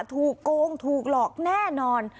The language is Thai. ถูกโกงถูกหลอกแน่นอน